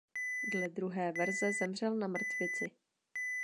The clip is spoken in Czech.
Dle druhé verze zemřel na mrtvici.